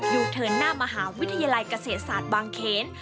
เทินหน้ามหาวิทยาลัยเกษตรศาสตร์บางเขน